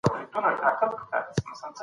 اقتصادي مرسته د ټولني ضرورت دی.